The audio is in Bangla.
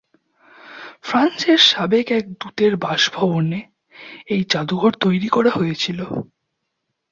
ফ্রান্সের সাবেক এক দূতের বাস ভবনে এই জাদুঘর তৈরি করা হয়েছিলো।